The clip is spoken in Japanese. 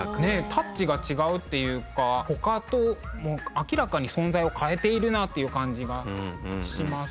タッチが違うっていうか他と明らかに存在を変えているなという感じがしますし。